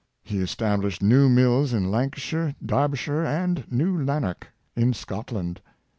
He established new mills in Lanca shire, Derbyshire, and at New Lanark, in Scotland.